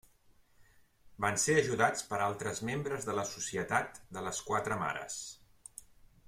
Van ser ajudats per altres membres de la Societat de les Quatre Mares.